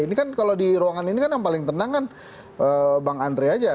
ini kan kalau di ruangan ini kan yang paling tenang kan bang andre aja